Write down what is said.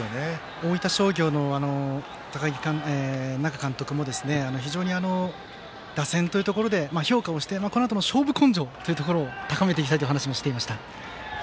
大分商業の那賀監督も非常に打線というところで評価をしてそのあとの勝負根性を高めていきたいという話をしていました。